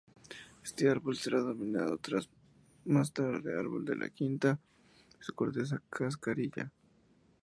Este árbol será denominado más tarde árbol de la quina y su corteza cascarilla.